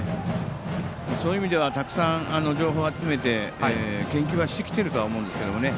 そういう意味ではたくさん情報を集めて研究はしてきていると思いますけどね。